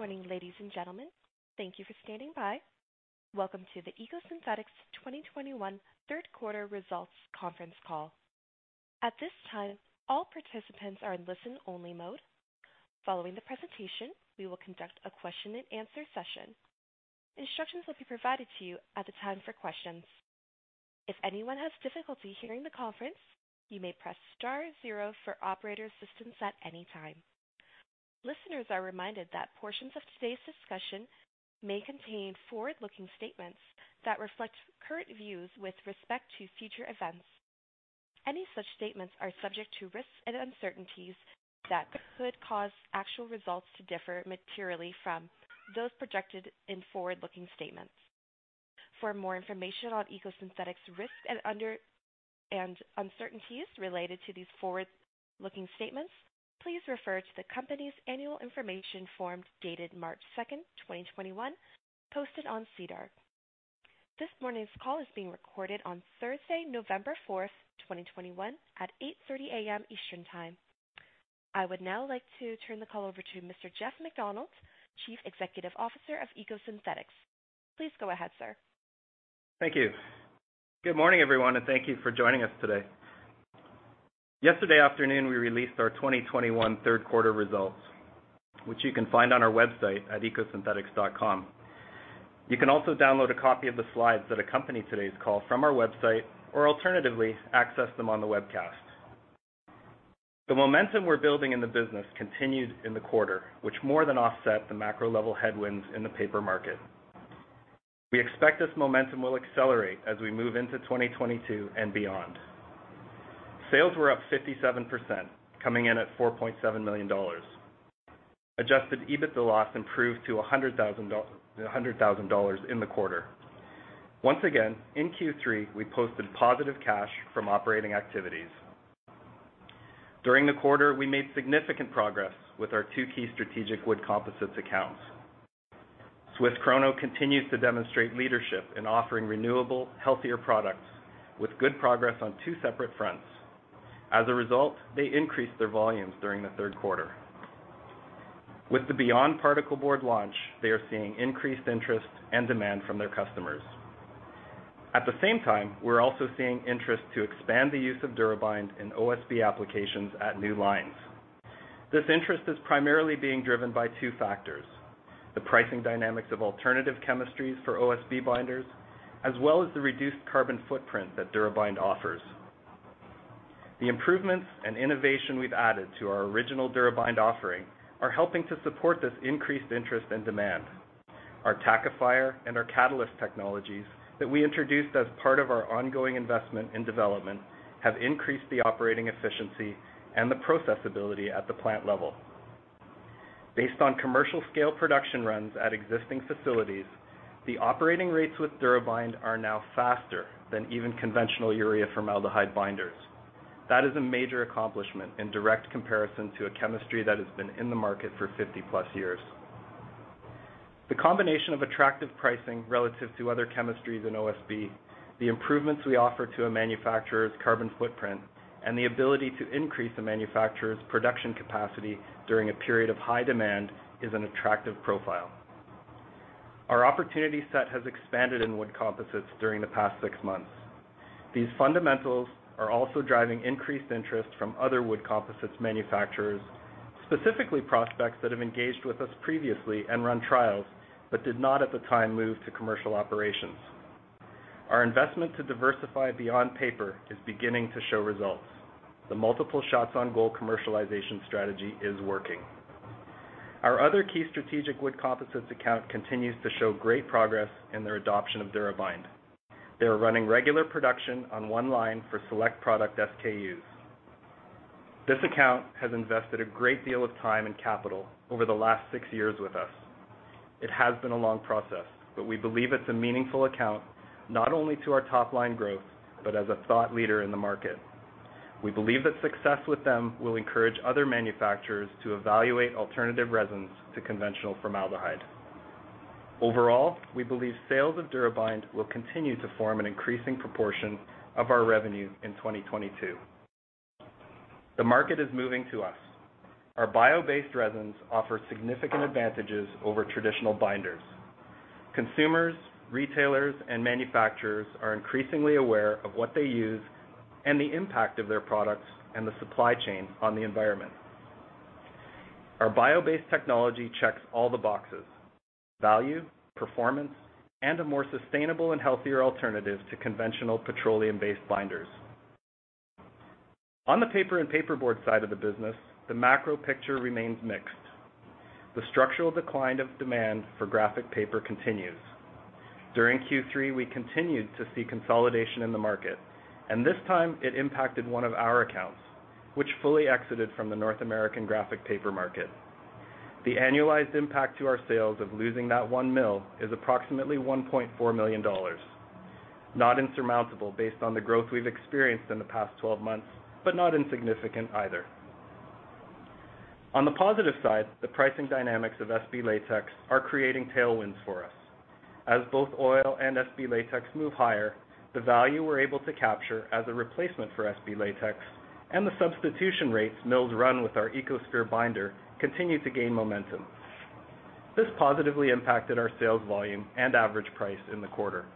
Good morning, ladies and gentlemen. Thank you for standing by. Welcome to the EcoSynthetix 2021 Third Quarter Results Conference Call. At this time, all participants are in listen-only mode. Following the presentation, we will conduct a question and answer session. Instructions will be provided to you at the time for questions. If anyone has difficulty hearing the conference, you may press star zero for operator assistance at any time. Listeners are reminded that portions of today's discussion may contain forward-looking statements that reflect current views with respect to future events. Any such statements are subject to risks and uncertainties that could cause actual results to differ materially from those projected in forward-looking statements. For more information on EcoSynthetix risks and uncertainties related to these forward-looking statements, please refer to the company's annual information form dated March 2nd, 2021, posted on SEDAR. This morning's call is being recorded on Thursday, November 4th, 2021 at 8:30 A.M. Eastern Time. I would now like to turn the call over to Mr. Jeff MacDonald, Chief Executive Officer of EcoSynthetix. Please go ahead, sir. Thank you. Good morning, everyone, and thank you for joining us today. Yesterday afternoon, we released our 2021 third quarter results, which you can find on our website at ecosynthetix.com. You can also download a copy of the slides that accompany today's call from our website or alternatively access them on the webcast. The momentum we're building in the business continued in the quarter, which more than offset the macro level headwinds in the paper market. We expect this momentum will accelerate as we move into 2022 and beyond. Sales were up 57% coming in at 4.7 million dollars. Adjusted EBITDA loss improved to 100,000 dollars in the quarter. Once again, in Q3, we posted positive cash from operating activities. During the quarter, we made significant progress with our two key strategic wood composites accounts. SWISS KRONO continues to demonstrate leadership in offering renewable, healthier products with good progress on two separate fronts. As a result, they increased their volumes during the third quarter. With the BE.YOND particleboard launch, they are seeing increased interest and demand from their customers. At the same time, we're also seeing interest to expand the use of DuraBind™ in OSB applications at new lines. This interest is primarily being driven by two factors, the pricing dynamics of alternative chemistries for OSB binders, as well as the reduced carbon footprint that DuraBind™ offers. The improvements and innovation we've added to our original DuraBind™ offering are helping to support this increased interest and demand. Our tackifier and our catalyst technologies that we introduced as part of our ongoing investment in development have increased the operating efficiency and the processability at the plant level. Based on commercial scale production runs at existing facilities, the operating rates with DuraBind™ are now faster than even conventional urea formaldehyde binders. That is a major accomplishment in direct comparison to a chemistry that has been in the market for 50+ years. The combination of attractive pricing relative to other chemistries in OSB, the improvements we offer to a manufacturer's carbon footprint, and the ability to increase a manufacturer's production capacity during a period of high demand is an attractive profile. Our opportunity set has expanded in wood composites during the past 6 months. These fundamentals are also driving increased interest from other wood composites manufacturers, specifically prospects that have engaged with us previously and run trials but did not at the time move to commercial operations. Our investment to diversify beyond paper is beginning to show results. The multiple shots on goal commercialization strategy is working. Our other key strategic wood composites account continues to show great progress in their adoption of DuraBind™. They are running regular production on one line for select product SKUs. This account has invested a great deal of time and capital over the last six years with us. It has been a long process, but we believe it's a meaningful account, not only to our top line growth, but as a thought leader in the market. We believe that success with them will encourage other manufacturers to evaluate alternative resins to conventional formaldehyde. Overall, we believe sales of DuraBind™ will continue to form an increasing proportion of our revenue in 2022. The market is moving to us. Our bio-based resins offer significant advantages over traditional binders. Consumers, retailers, and manufacturers are increasingly aware of what they use and the impact of their products and the supply chain on the environment. Our bio-based technology checks all the boxes, value, performance, and a more sustainable and healthier alternative to conventional petroleum-based binders. On the paper and paperboard side of the business, the macro picture remains mixed. The structural decline of demand for graphic paper continues. During Q3, we continued to see consolidation in the market, and this time it impacted one of our accounts, which fully exited from the North American graphic paper market. The annualized impact to our sales of losing that one mill is approximately 1.4 million dollars. Not insurmountable based on the growth we've experienced in the past 12 months, but not insignificant either. On the positive side, the pricing dynamics of SB latex are creating tailwinds for us. As both oil and SB latex move higher, the value we're able to capture as a replacement for SB latex and the substitution rates mills run with our EcoSphere® binder continue to gain momentum. This positively impacted our sales volume and average price in the quarter.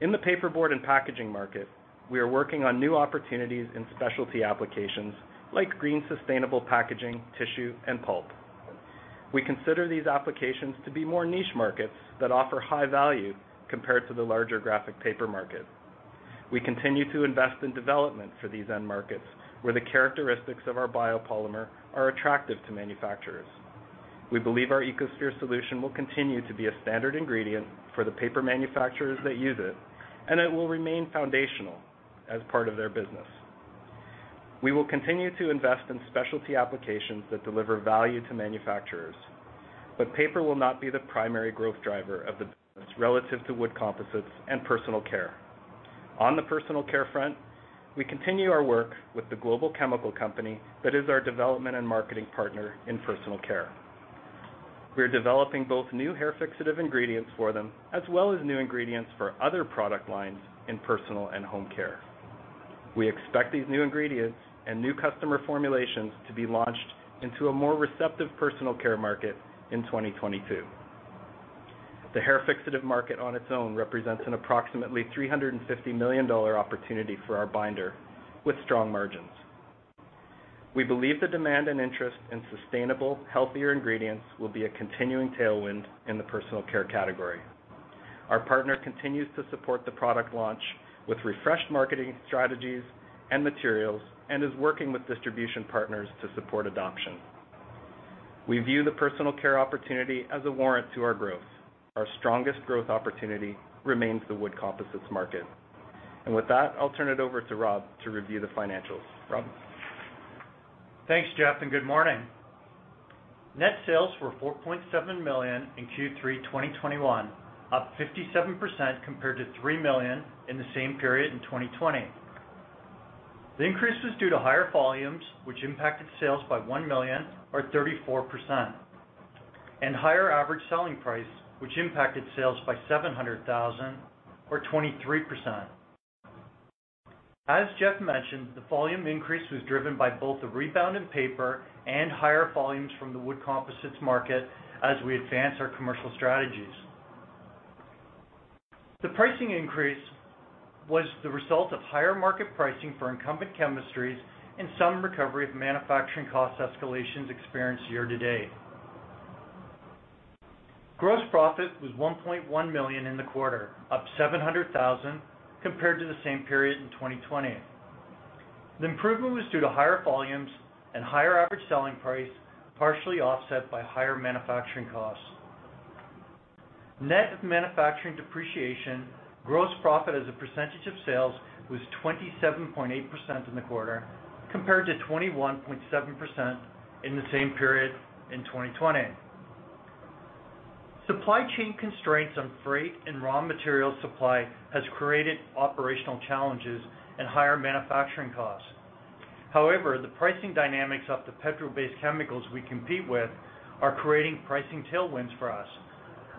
In the paperboard and packaging market, we are working on new opportunities in specialty applications like green sustainable packaging, tissue, and pulp. We consider these applications to be more niche markets that offer high value compared to the larger graphic paper market. We continue to invest in development for these end markets, where the characteristics of our biopolymer are attractive to manufacturers. We believe our EcoSphere® solution will continue to be a standard ingredient for the paper manufacturers that use it, and it will remain foundational as part of their business. We will continue to invest in specialty applications that deliver value to manufacturers, but paper will not be the primary growth driver of the business relative to wood composites and personal care. On the personal care front, we continue our work with the global chemical company that is our development and marketing partner in personal care. We are developing both new hair fixative ingredients for them, as well as new ingredients for other product lines in personal and home care. We expect these new ingredients and new customer formulations to be launched into a more receptive personal care market in 2022. The hair fixative market on its own represents an approximately $350 million opportunity for our binder with strong margins. We believe the demand and interest in sustainable, healthier ingredients will be a continuing tailwind in the personal care category. Our partner continues to support the product launch with refreshed marketing strategies and materials and is working with distribution partners to support adoption. We view the personal care opportunity as a warrant to our growth. Our strongest growth opportunity remains the wood composites market. With that, I'll turn it over to Rob to review the financials. Rob? Thanks, Jeff, and good morning. Net sales were 4.7 million in Q3 2021, up 57% compared to 3 million in the same period in 2020. The increase was due to higher volumes, which impacted sales by 1 million or 34%, and higher average selling price, which impacted sales by 700,000 or 23%. As Jeff mentioned, the volume increase was driven by both the rebound in paper and higher volumes from the wood composites market as we advance our commercial strategies. The pricing increase was the result of higher market pricing for incumbent chemistries and some recovery of manufacturing cost escalations experienced year to date. Gross profit was 1.1 million in the quarter, up 700,000 compared to the same period in 2020. The improvement was due to higher volumes and higher average selling price, partially offset by higher manufacturing costs. Net manufacturing depreciation, gross profit as a percentage of sales was 27.8% in the quarter, compared to 21.7% in the same period in 2020. Supply chain constraints on freight and raw material supply has created operational challenges and higher manufacturing costs. However, the pricing dynamics of the petroleum-based chemicals we compete with are creating pricing tailwinds for us,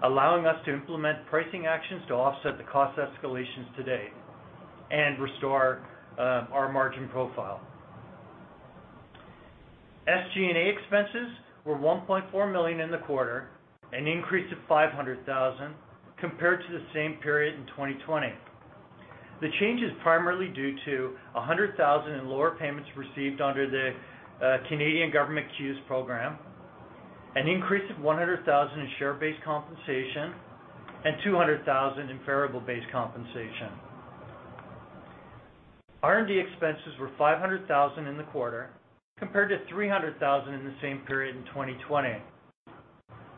allowing us to implement pricing actions to offset the cost escalations today and restore our margin profile. SG&A expenses were 1.4 million in the quarter, an increase of 500,000 compared to the same period in 2020. The change is primarily due to 100,000 in lower payments received under the Canadian government CEWS program, an increase of 100,000 in share-based compensation, and 200,000 in variable-based compensation. R&D expenses were 500,000 in the quarter, compared to 300,000 in the same period in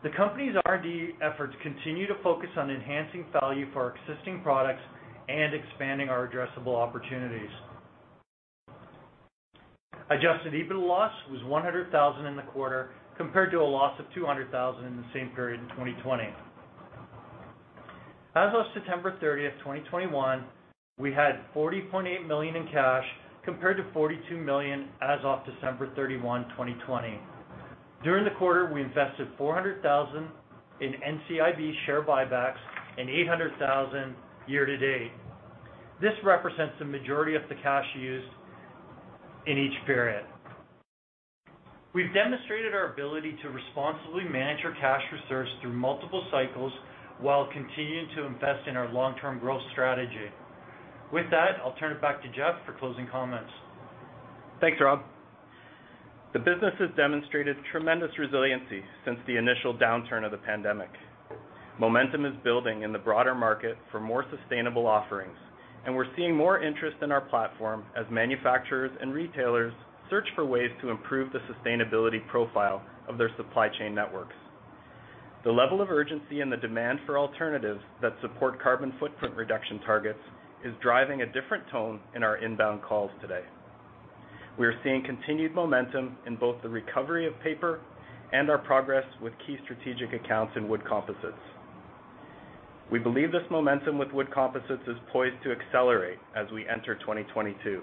2020. The company's R&D efforts continue to focus on enhancing value for our existing products and expanding our addressable opportunities. Adjusted EBITDA loss was 100,000 in the quarter, compared to a loss of 200,000 in the same period in 2020. As of September 30, 2021, we had 40.8 million in cash, compared to 42 million as of December 31, 2020. During the quarter, we invested 400,000 in NCIB share buybacks and 800,000 year to date. This represents the majority of the cash used in each period. We've demonstrated our ability to responsibly manage our cash reserves through multiple cycles while continuing to invest in our long-term growth strategy. With that, I'll turn it back to Jeff for closing comments. Thanks, Rob. The business has demonstrated tremendous resiliency since the initial downturn of the pandemic. Momentum is building in the broader market for more sustainable offerings, and we're seeing more interest in our platform as manufacturers and retailers search for ways to improve the sustainability profile of their supply chain networks. The level of urgency and the demand for alternatives that support carbon footprint reduction targets is driving a different tone in our inbound calls today. We are seeing continued momentum in both the recovery of paper and our progress with key strategic accounts in wood composites. We believe this momentum with wood composites is poised to accelerate as we enter 2022.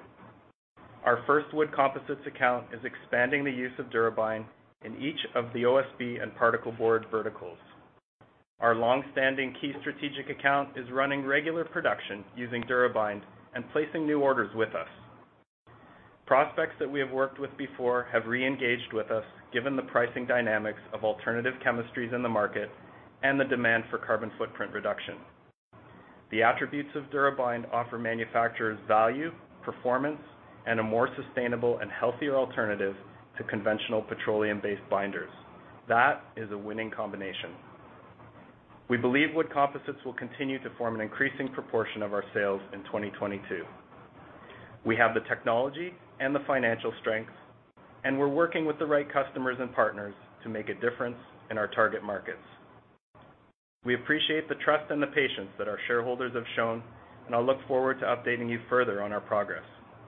Our first wood composites account is expanding the use of DuraBind™ in each of the OSB and particle board verticals. Our long-standing key strategic account is running regular production using DuraBind™ and placing new orders with us. Prospects that we have worked with before have reengaged with us given the pricing dynamics of alternative chemistries in the market and the demand for carbon footprint reduction. The attributes of DuraBind™ offer manufacturers value, performance, and a more sustainable and healthier alternative to conventional petroleum-based binders. That is a winning combination. We believe wood composites will continue to form an increasing proportion of our sales in 2022. We have the technology and the financial strength, and we're working with the right customers and partners to make a difference in our target markets. We appreciate the trust and the patience that our shareholders have shown, and I look forward to updating you further on our progress.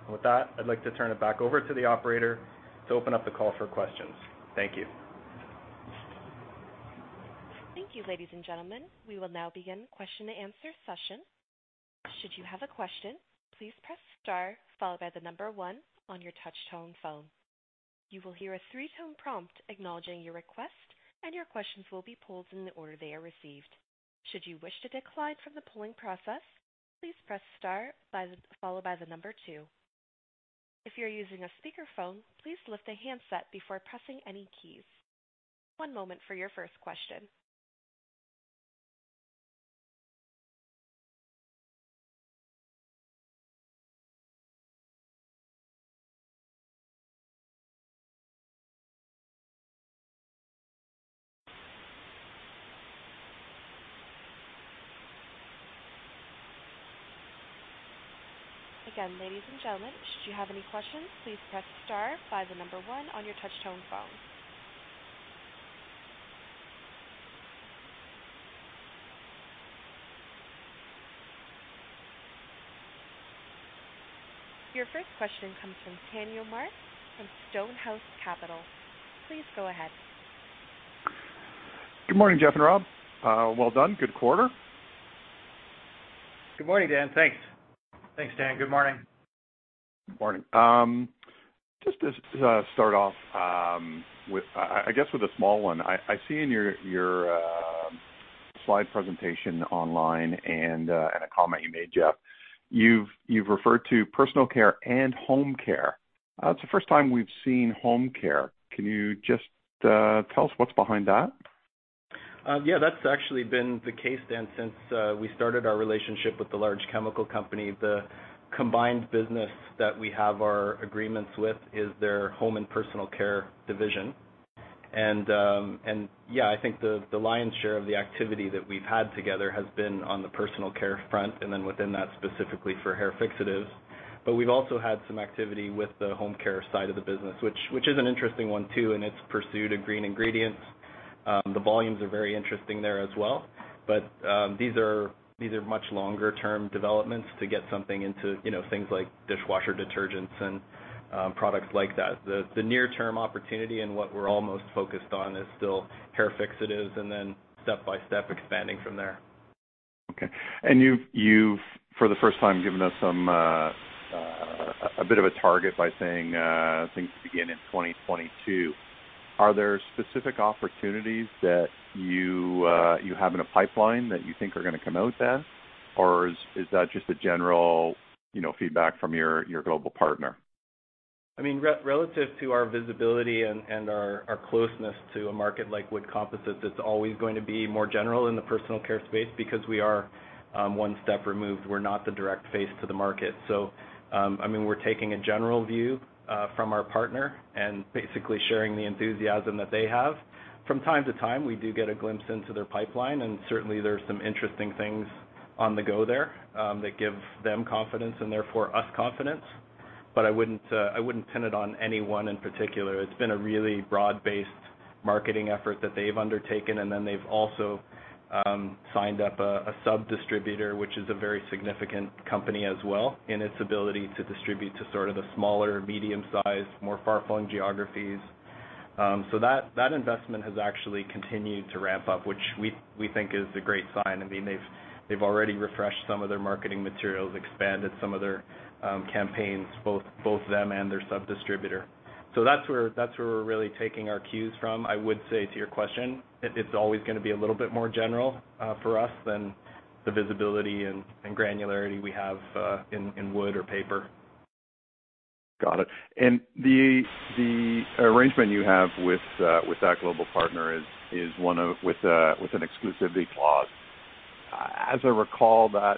With that, I'd like to turn it back over to the operator to open up the call for questions. Thank you. Thank you, ladies and gentlemen. We will now begin question and answer session. Should you have a question, please press star followed by one on your touch-tone phone. You will hear a 3-tone prompt acknowledging your request, and your questions will be pulled in the order they are received. Should you wish to decline from the polling process, please press star followed by two. If you're using a speakerphone, please lift a handset before pressing any keys. One moment for your first question. Again, ladies and gentlemen, should you have any questions, please press star followed by one on your touch-tone phone. Your first question comes from Daniel Mark from Stonehouse Capital. Please go ahead. Good morning, Jeff and Rob. Well done. Good quarter. Good morning, Dan. Thanks. Thanks, Dan. Good morning. Good morning. Just to start off, I guess, with a small one. I see in your slide presentation online and a comment you made, Jeff, you've referred to personal care and home care. It's the first time we've seen home care. Can you just tell us what's behind that? Yeah, that's actually been the case then since we started our relationship with the large chemical company. The combined business that we have our agreements with is their home and personal care division. Yeah, I think the lion's share of the activity that we've had together has been on the personal care front, and then within that, specifically for hair fixatives. We've also had some activity with the home care side of the business, which is an interesting one too, in its pursuit of green ingredients. The volumes are very interesting there as well. These are much longer-term developments to get something into, you know, things like dishwasher detergents and products like that. The near-term opportunity and what we're almost focused on is still hair fixatives and then step-by-step expanding from there. Okay. You've for the first time given us some a bit of a target by saying things to begin in 2022. Are there specific opportunities that you have in a pipeline that you think are gonna come out then? Is that just a general you know feedback from your global partner? I mean, relative to our visibility and our closeness to a market like wood composites, it's always going to be more general in the personal care space because we are one step removed. We're not the direct face to the market. I mean, we're taking a general view from our partner and basically sharing the enthusiasm that they have. From time to time, we do get a glimpse into their pipeline, and certainly, there's some interesting things on the go there that give them confidence and therefore us confidence. I wouldn't pin it on any one in particular. It's been a really broad-based marketing effort that they've undertaken, and then they've also signed up a sub-distributor, which is a very significant company as well in its ability to distribute to sort of the smaller medium-sized, more far-flung geographies. That investment has actually continued to ramp up, which we think is a great sign. I mean, they've already refreshed some of their marketing materials, expanded some of their campaigns, both them and their sub-distributor. That's where we're really taking our cues from. I would say to your question, it's always gonna be a little bit more general for us than the visibility and granularity we have in wood or paper. Got it. The arrangement you have with that global partner is one with an exclusivity clause. As I recall, that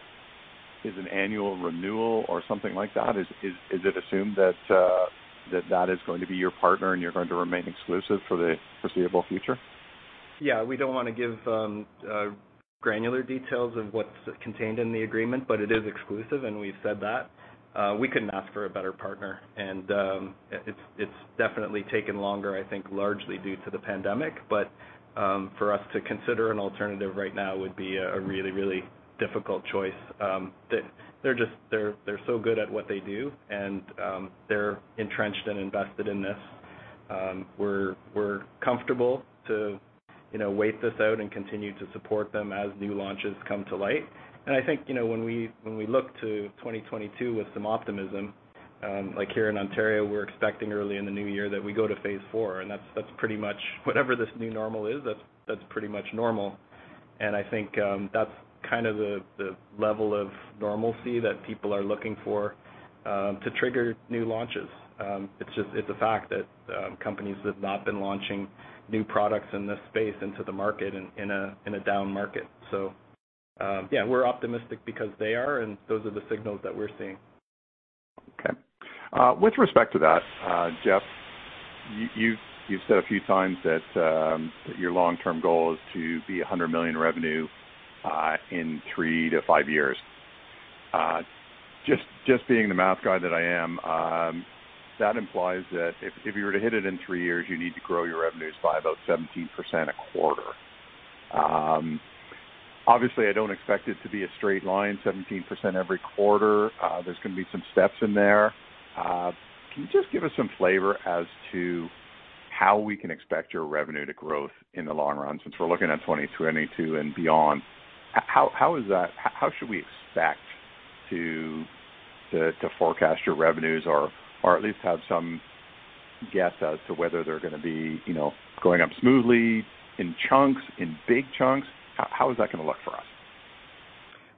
is an annual renewal or something like that. Is it assumed that that is going to be your partner and you're going to remain exclusive for the foreseeable future? Yeah. We don't wanna give granular details of what's contained in the agreement, but it is exclusive, and we've said that. We couldn't ask for a better partner. It's definitely taken longer, I think, largely due to the pandemic. For us to consider an alternative right now would be a really difficult choice. They're so good at what they do, and they're entrenched and invested in this. We're comfortable to, you know, wait this out and continue to support them as new launches come to light. I think, you know, when we look to 2022 with some optimism, like here in Ontario, we're expecting early in the new year that we go to phase four, and that's pretty much whatever this new normal is, that's pretty much normal. I think that's kind of the level of normalcy that people are looking for to trigger new launches. It's just a fact that companies have not been launching new products in this space into the market in a down market. Yeah, we're optimistic because they are, and those are the signals that we're seeing. Okay. With respect to that, Jeff, you've said a few times that your long-term goal is to be 100 million revenue in 3-5 years. Just being the math guy that I am, that implies that if you were to hit it in three years, you need to grow your revenues by about 17% a quarter. Obviously I don't expect it to be a straight line, 17% every quarter. There's gonna be some steps in there. Can you just give us some flavor as to how we can expect your revenue to grow in the long run, since we're looking at 2022 and beyond? How is that... How should we expect to forecast your revenues or at least have some guess as to whether they're gonna be, you know, going up smoothly, in chunks, in big chunks? How is that gonna look for us?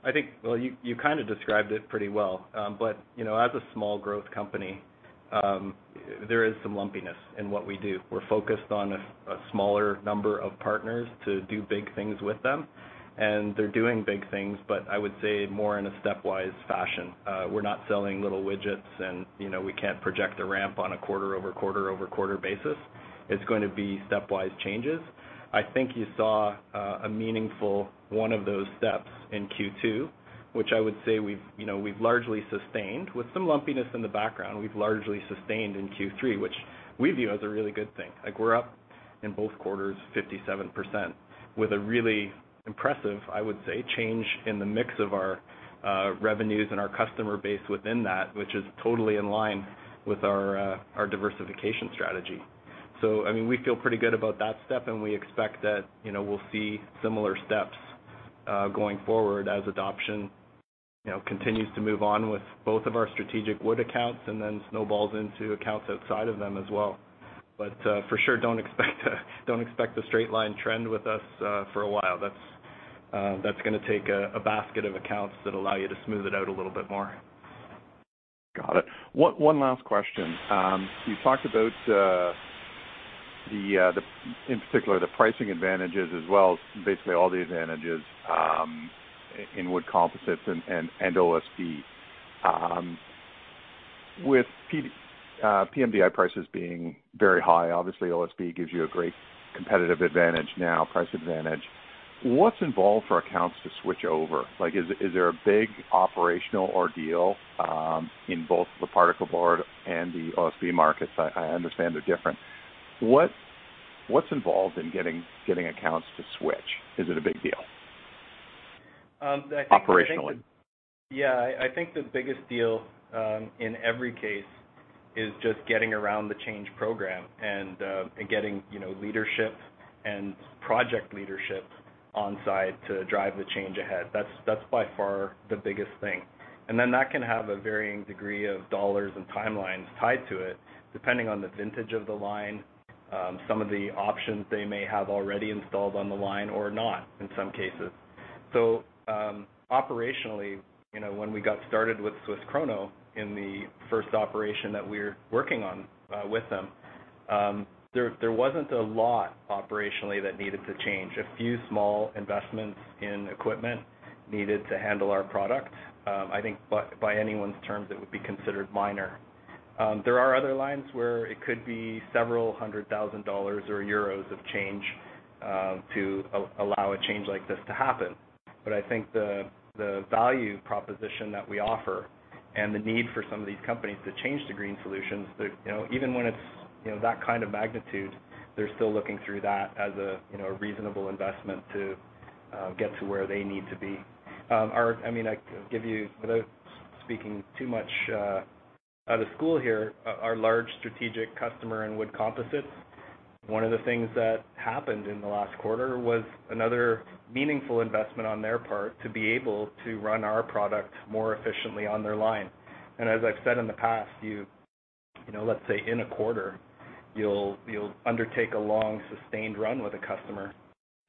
I think, well, you kinda described it pretty well. But, you know, as a small growth company, there is some lumpiness in what we do. We're focused on a smaller number of partners to do big things with them, and they're doing big things, but I would say more in a stepwise fashion. We're not selling little widgets and, you know, we can't project a ramp on a quarter over quarter over quarter basis. It's going to be stepwise changes. I think you saw a meaningful one of those steps in Q2, which I would say we've, you know, largely sustained. With some lumpiness in the background, we've largely sustained in Q3, which we view as a really good thing. Like, we're up in both quarters 57% with a really impressive, I would say, change in the mix of our revenues and our customer base within that, which is totally in line with our diversification strategy. I mean, we feel pretty good about that step, and we expect that, you know, we'll see similar steps going forward as adoption, you know, continues to move on with both of our strategic wood accounts and then snowballs into accounts outside of them as well. For sure, don't expect a straight line trend with us for a while. That's gonna take a basket of accounts that allow you to smooth it out a little bit more. Got it. One last question. You talked about in particular the pricing advantages as well as basically all the advantages in wood composites and OSB. With pMDI prices being very high, obviously OSB gives you a great competitive advantage now, price advantage. What's involved for accounts to switch over? Like, is there a big operational ordeal in both the particle board and the OSB markets? I understand they're different. What's involved in getting accounts to switch? Is it a big deal? I think Operationally. Yeah. I think the biggest deal in every case is just getting around the change program and getting, you know, leadership and project leadership on site to drive the change ahead. That's by far the biggest thing. Then that can have a varying degree of dollars and timelines tied to it, depending on the vintage of the line, some of the options they may have already installed on the line or not, in some cases. Operationally, you know, when we got started with SWISS KRONO in the first operation that we're working on with them, there wasn't a lot operationally that needed to change. A few small investments in equipment needed to handle our product. I think by anyone's terms, it would be considered minor. There are other lines where it could be several hundred thousand dollars or euros of change to allow a change like this to happen. I think the value proposition that we offer and the need for some of these companies to change to green solutions, you know, even when it's, you know, that kind of magnitude, they're still looking through that as a, you know, a reasonable investment to get to where they need to be. Our, I mean, I can give you without speaking too much out of school here, our large strategic customer in wood composites, one of the things that happened in the last quarter was another meaningful investment on their part to be able to run our product more efficiently on their line. As I've said in the past, you know, let's say in a quarter, you'll undertake a long sustained run with a customer,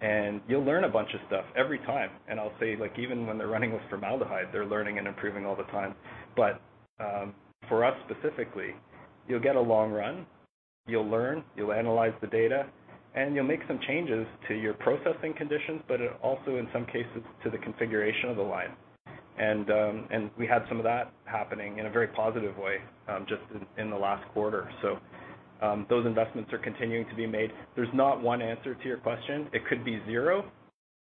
and you'll learn a bunch of stuff every time. I'll say, like, even when they're running with formaldehyde, they're learning and improving all the time. For us specifically, you'll get a long run, you'll learn, you'll analyze the data, and you'll make some changes to your processing conditions, but also in some cases to the configuration of the line. We had some of that happening in a very positive way, just in the last quarter. Those investments are continuing to be made. There's not one answer to your question. It could be zero,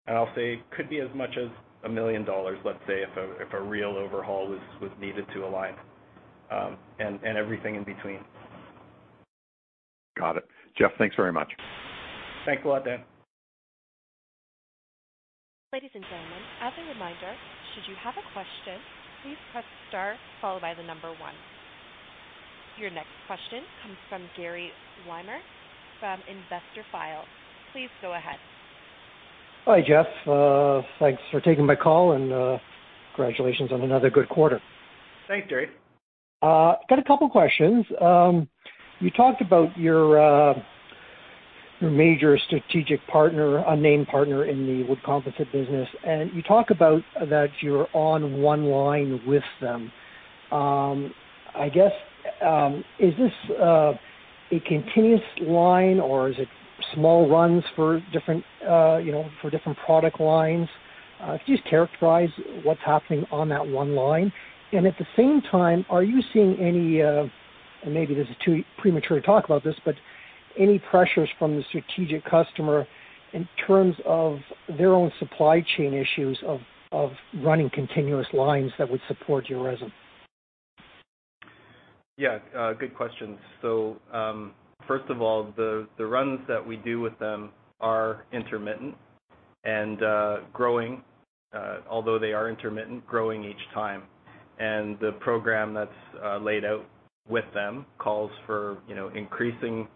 and I'll say could be as much as a million dollars, let's say, if a real overhaul was needed to a line, and everything in between. Got it. Jeff, thanks very much. Thanks a lot, Dan. Ladies and gentlemen, as a reminder, should you have a question, please press star followed by 1. Your next question comes from Gerry Wimmer from Investorfile. Please go ahead. Hi, Jeff. Thanks for taking my call and, congratulations on another good quarter. Thanks, Gerry. Got a couple of questions. You talked about your major strategic partner, unnamed partner in the wood composite business, and you talk about that you're on one line with them. I guess, is this a continuous line or is it small runs for different, you know, for different product lines? Could you just characterize what's happening on that one line? And at the same time, are you seeing any, and maybe this is too premature to talk about this, but any pressures from the strategic customer in terms of their own supply chain issues of running continuous lines that would support your resin? Yeah, good question. First of all, the runs that we do with them are intermittent and growing, although they are intermittent, growing each time. The program that's laid out with them calls for, you know, increasingly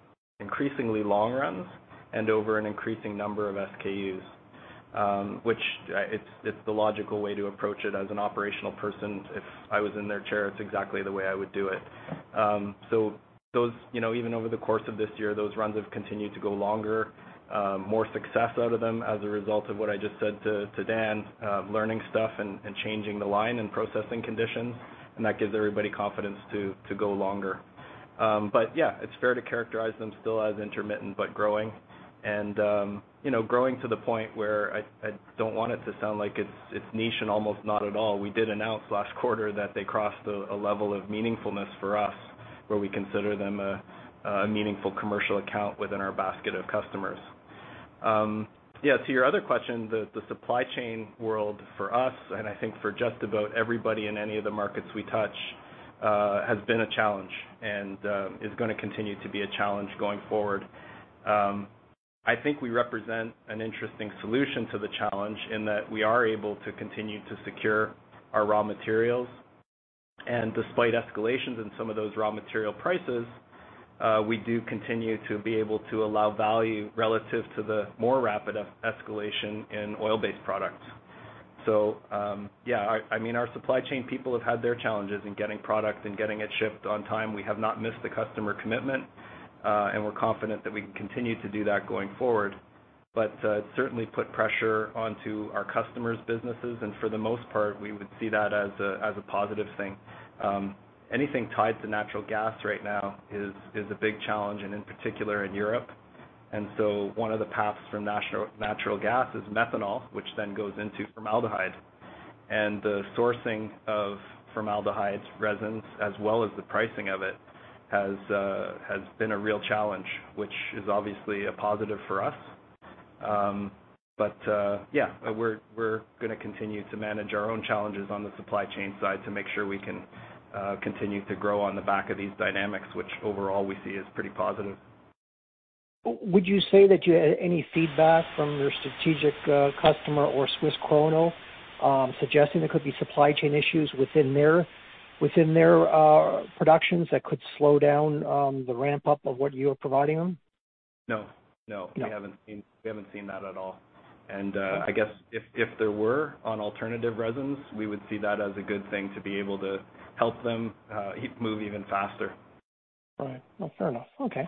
long runs and over an increasing number of SKUs, which, it's the logical way to approach it as an operational person. If I was in their chair, it's exactly the way I would do it. Those, you know, even over the course of this year, those runs have continued to go longer, more success out of them as a result of what I just said to Dan, learning stuff and changing the line and processing conditions, and that gives everybody confidence to go longer. Yeah, it's fair to characterize them still as intermittent but growing and, you know, growing to the point where I don't want it to sound like it's niche and almost not at all. We did announce last quarter that they crossed a level of meaningfulness for us, where we consider them a meaningful commercial account within our basket of customers. Yeah. To your other question, the supply chain world for us and I think for just about everybody in any of the markets we touch has been a challenge and is gonna continue to be a challenge going forward. I think we represent an interesting solution to the challenge in that we are able to continue to secure our raw materials. Despite escalations in some of those raw material prices, we do continue to be able to allow value relative to the more rapid escalation in oil-based products. Yeah, I mean, our supply chain people have had their challenges in getting product and getting it shipped on time. We have not missed a customer commitment, and we're confident that we can continue to do that going forward. It's certainly put pressure onto our customers' businesses, and for the most part, we would see that as a positive thing. Anything tied to natural gas right now is a big challenge, and in particular in Europe. One of the paths from natural gas is methanol, which then goes into formaldehyde. The sourcing of formaldehyde resins, as well as the pricing of it, has been a real challenge, which is obviously a positive for us. Yeah, we're gonna continue to manage our own challenges on the supply chain side to make sure we can continue to grow on the back of these dynamics, which overall we see as pretty positive. Would you say that you had any feedback from your strategic customer or SWISS KRONO suggesting there could be supply chain issues within their productions that could slow down the ramp-up of what you're providing them? No. No. We haven't seen that at all. I guess if there were any alternative resins, we would see that as a good thing to be able to help them move even faster. Right. Well, fair enough. Okay.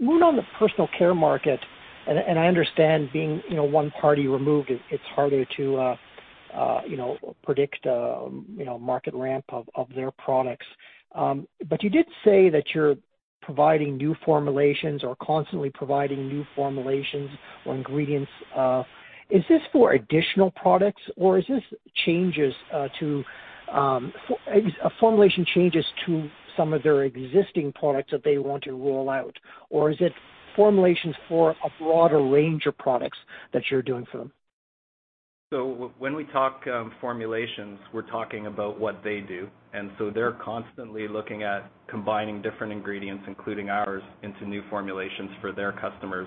Moving on to personal care market, and I understand being, you know, one party removed, it's harder to, you know, predict a, you know, market ramp of their products. You did say that you're providing new formulations or constantly providing new formulations or ingredients. Is this for additional products or is this changes to formulation changes to some of their existing products that they want to roll out? Or is it formulations for a broader range of products that you're doing for them? When we talk formulations, we're talking about what they do. They're constantly looking at combining different ingredients, including ours, into new formulations for their customers.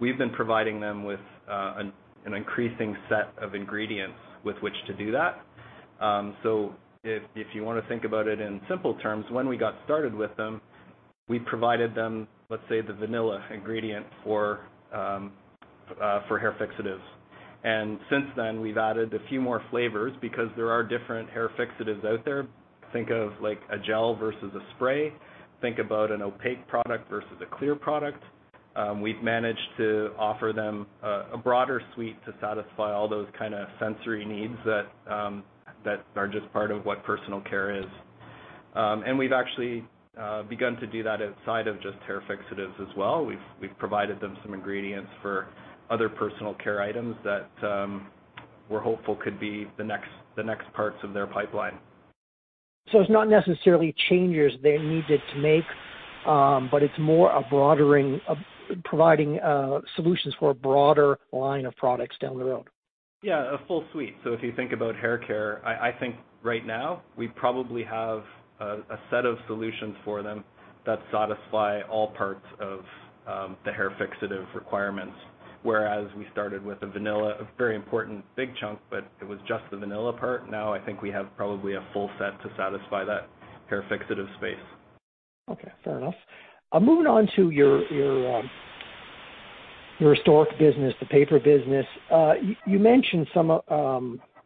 We've been providing them with an increasing set of ingredients with which to do that. If you wanna think about it in simple terms, when we got started with them, we provided them, let's say, the vanilla ingredient for hair fixatives. Since then we've added a few more flavors because there are different hair fixatives out there. Think of like a gel versus a spray, think about an opaque product versus a clear product. We've managed to offer them a broader suite to satisfy all those kinda sensory needs that are just part of what personal care is. We've actually begun to do that outside of just hair fixatives as well. We've provided them some ingredients for other personal care items that we're hopeful could be the next parts of their pipeline. It's not necessarily changes they needed to make, but it's more a broadening, providing solutions for a broader line of products down the road. Yeah, a full suite. If you think about haircare, I think right now we probably have a set of solutions for them that satisfy all parts of the hair fixative requirements. Whereas we started with a vanilla, a very important big chunk, but it was just the vanilla part. Now I think we have probably a full set to satisfy that hair fixative space. Okay, fair enough. I'm moving on to your historic business, the paper business. You mentioned some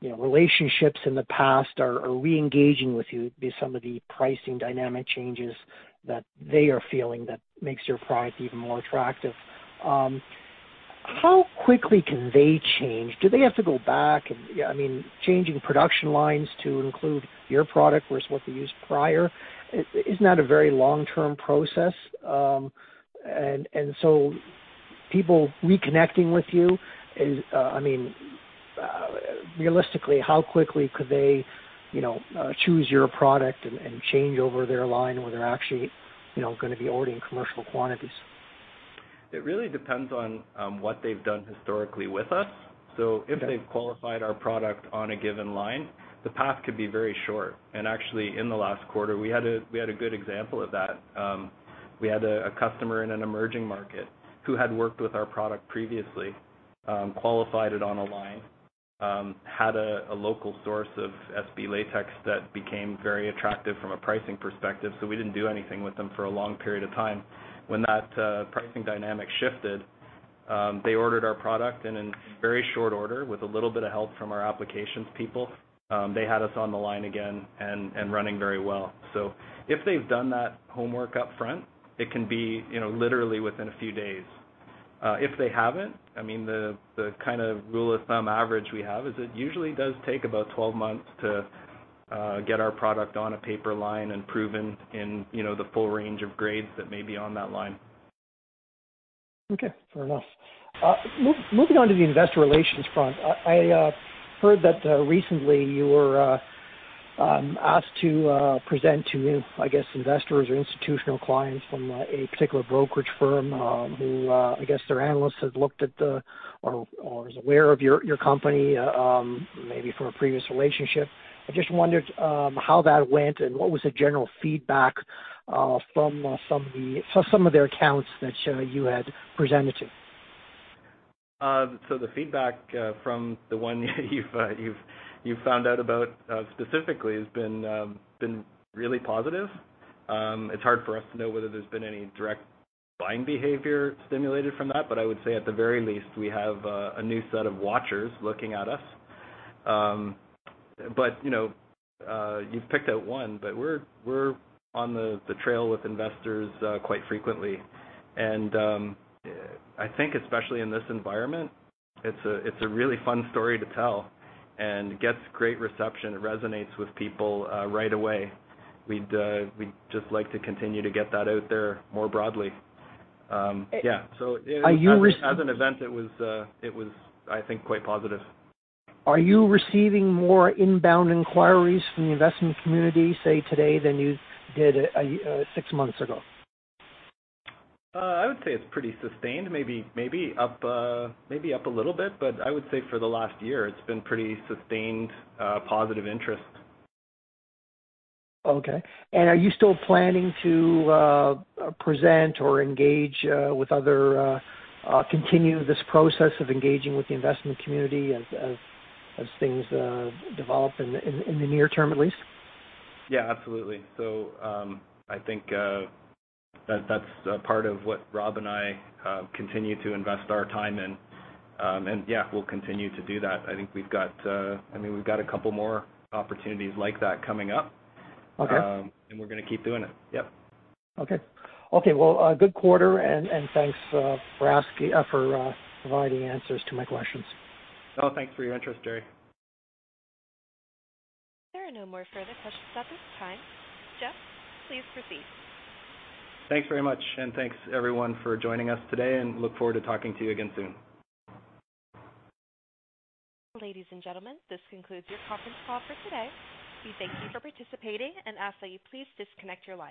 relationships in the past are re-engaging with you due to some of the pricing dynamic changes that they are feeling that makes your product even more attractive. How quickly can they change? Do they have to go back? Changing production lines to include your product versus what they used prior, isn't that a very long-term process? People reconnecting with you is, realistically, how quickly could they choose your product and change over their line where they're actually gonna be ordering commercial quantities? It really depends on what they've done historically with us. If they've qualified our product on a given line, the path could be very short. Actually, in the last quarter, we had a good example of that. We had a customer in an emerging market who had worked with our product previously, qualified it on a line, had a local source of SB latex that became very attractive from a pricing perspective, so we didn't do anything with them for a long period of time. When that pricing dynamic shifted, they ordered our product and in very short order, with a little bit of help from our applications people, they had us on the line again and running very well. If they've done that homework up front, it can be, you know, literally within a few days. If they haven't, I mean, the kind of rule of thumb average we have is it usually does take about 12 months to get our product on a paper line and proven in, you know, the full range of grades that may be on that line. Okay, fair enough. Moving on to the investor relations front. I heard that recently you were asked to present to new, I guess, investors or institutional clients from a particular brokerage firm, who, I guess, their analysts had looked at the, or is aware of your company, maybe from a previous relationship. I just wondered how that went and what was the general feedback from some of their accounts that you had presented to. The feedback from the one you've found out about specifically has been really positive. It's hard for us to know whether there's been any direct buying behavior stimulated from that, but I would say at the very least, we have a new set of watchers looking at us. You know, you've picked out one, but we're on the trail with investors quite frequently. I think especially in this environment, it's a really fun story to tell and gets great reception. It resonates with people right away. We'd just like to continue to get that out there more broadly. As an event, it was, I think, quite positive. Are you receiving more inbound inquiries from the investment community, say today than you did, six months ago? I would say it's pretty sustained, maybe up a little bit, but I would say for the last year it's been pretty sustained, positive interest. Okay. Are you still planning to continue this process of engaging with the investment community as things develop in the near term at least? Yeah, absolutely. I think that's a part of what Rob and I continue to invest our time in. Yeah, we'll continue to do that. I think, I mean, we've got a couple more opportunities like that coming up. Okay. We're gonna keep doing it. Yep. Okay. Okay. Well, a good quarter and thanks for asking for providing answers to my questions. Oh, thanks for your interest, Gerry. There are no more further questions at this time. Jeff, please proceed. Thanks very much, and thanks everyone for joining us today, and I look forward to talking to you again soon. Ladies and gentlemen, this concludes your conference call for today. We thank you for participating and ask that you please disconnect your lines.